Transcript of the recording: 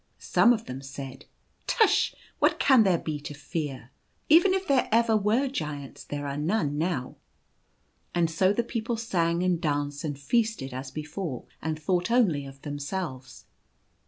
Some of them said, " Tush ! what can there be to fear ? Even if there ever were giants there are none now." And so the people sang and danced and feasted as before, and thought only of themselves.